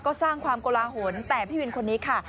ก็สร้างความโกลาหลแต่พี่วินคนนี้ค่ะ